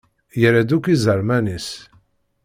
Yerra-d akk iẓerman-is.